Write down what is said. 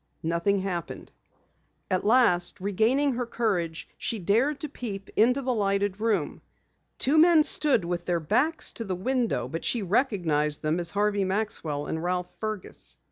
Nothing happened. At last, regaining her courage, she dared to peep into the lighted room. Two men stood with their backs to the window, but she recognized them as Harvey Maxwell and Ralph Fergus.